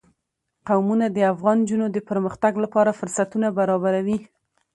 قومونه د افغان نجونو د پرمختګ لپاره فرصتونه برابروي.